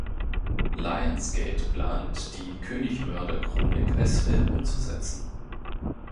Lions Gate plant, die Königmörder-Chronik als Film umzusetzen.